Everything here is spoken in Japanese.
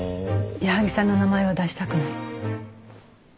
矢作さんの名前は出したくない。